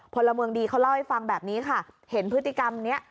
พลเมืองดีเขาเล่าให้ฟังแบบนี้ค่ะเห็นพฤติกรรมเนี้ย